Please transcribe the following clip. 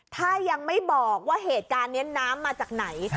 ถ้ายังไม่บอกว่าเหตุการณ์นี้น้ำมาจากไหน